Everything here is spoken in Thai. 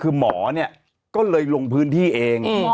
คือหมอเนี่ยก็เลยลงพื้นที่เอง